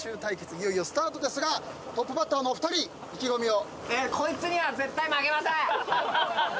いよいよスタートですがトップバッターのお二人意気込みを。